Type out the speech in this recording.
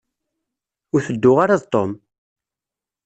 Ur tedduɣ ara d Tom.